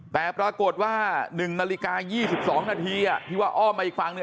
แต่ปรากฏว่า๑นาฬิกา๒๒นาทีที่ว่าอ้อมมาอีกฝั่งหนึ่ง